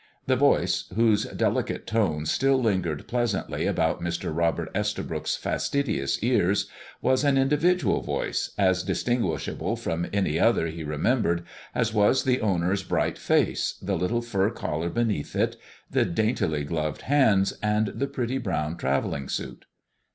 The voice, whose delicate tones still lingered pleasantly about Mr. Robert Estabrook's fastidious ears, was an individual voice, as distinguishable from any other he remembered as was the owner's bright face, the little fur collar beneath it, the daintily gloved hands, and the pretty brown traveling suit.